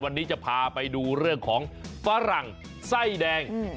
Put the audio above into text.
วันนี้จะพาไปดูเรื่องของฝรั่งไส้แดง